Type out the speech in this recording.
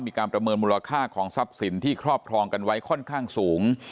ประเมินมูลค่าของทรัพย์สินที่ครอบครองกันไว้ค่อนข้างสูง